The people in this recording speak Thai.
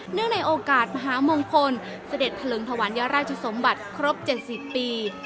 เนื่องในโอกาสมหามงคลเศรษฐพลึงถวันยรรจสมบัติครบ๗๐ปี